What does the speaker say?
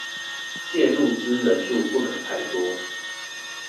介入之人數不可太多